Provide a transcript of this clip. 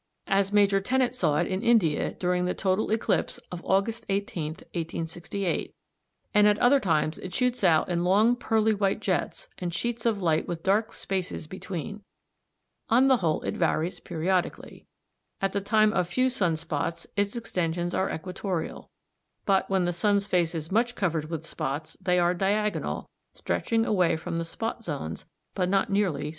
47, which shows what Major Tennant saw in India during the total eclipse of August 18, 1868, and at other times it shoots out in long pearly white jets and sheets of light with dark spaces between. On the whole it varies periodically. At the time of few sun spots its extensions are equatorial; but when the sun's face is much covered with spots, they are diagonal, stretching away from the spot zones, but not nearly so far.